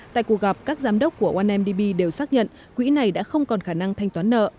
tại cuộc gặp các giám đốc của andb đều xác nhận quỹ này đã không còn khả năng thanh toán nợ